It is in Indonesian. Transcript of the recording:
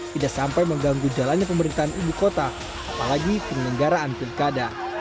tidak sampai mengganggu jalannya pemerintahan ibu kota apalagi penyelenggaraan pilkada